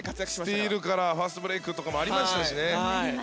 スチールからファストブレークとかもありましたね。